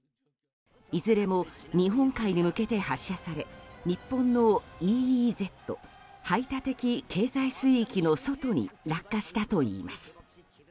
いずれも日本海に向けて発射され日本のＥＥＺ・排他的経済水域の外に落下したといいます。